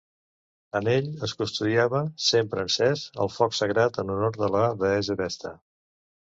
En ell es custodiava, sempre encès, el foc sagrat en honor de la deessa Vesta.